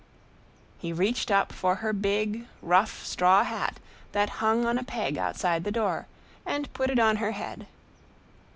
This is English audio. He reached up for her big, rough straw hat that hung on a peg outside the door, and put it on her head.